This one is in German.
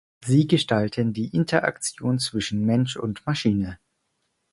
Sie gestalten die Interaktion zwischen Mensch und Maschine.